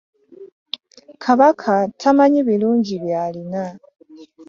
Kabaka tamanyi birungi byalina.